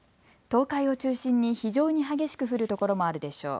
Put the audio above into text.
東海を中心に非常に激しく降る所もあるでしょう。